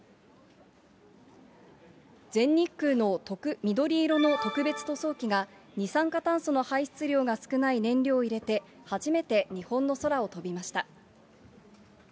全日空の緑色の特別塗装機が、二酸化炭素の排出量が少ない燃料を入れて、初めて日本の空を飛びました。